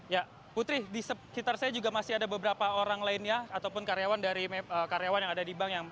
ya putri di sekitar saya juga masih ada beberapa orang lainnya ataupun karyawan dari karyawan yang ada di bank